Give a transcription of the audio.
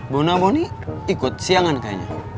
bona boni ikut siangan kayaknya